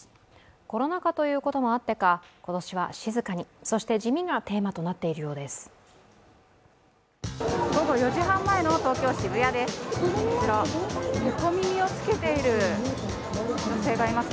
コロナ禍ということもあってか、今年は静かに、そして地味がテーマとなっているようです。